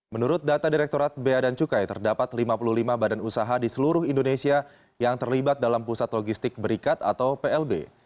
menurut data direkturat bea dan cukai terdapat lima puluh lima badan usaha di seluruh indonesia yang terlibat dalam pusat logistik berikat atau plb